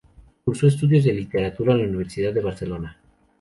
Cursó estudios de Literatura en la Universidad de Barcelona.